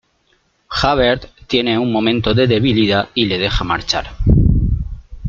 Javert tiene un momento de debilidad y le deja marchar.